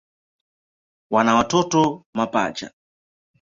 Wana watoto mapacha.